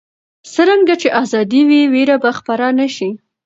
څرنګه چې ازادي وي، ویره به خپره نه شي.